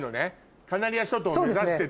カナリア諸島を目指してた。